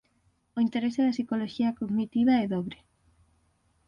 O interese da psicoloxía cognitiva é dobre.